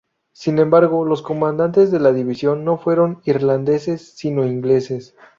Sin embargo, los comandantes de la división no fueron irlandeses, sino ingleses.